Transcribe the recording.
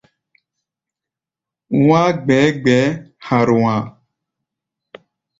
Wá̧á̧ gbɛ̧́ gbɛ̧ɛ̧́ ha̧a̧rua̧a̧.